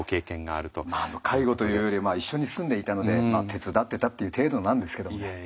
まあ介護というより一緒に住んでいたので手伝ってたっていう程度なんですけどもね。